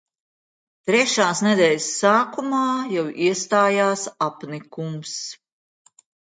Trešās nedēļas sākumā jau iestājās apnikums.